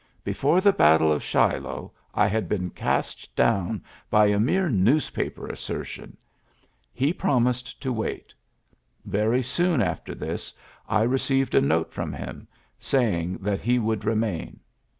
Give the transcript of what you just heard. Before the battle of Shiloh, I had been cast down by a mere newspaper as sertion. •.. He ... promised to wait ... Very soon after this ... I received a note from him, saying that he .•• would remain.''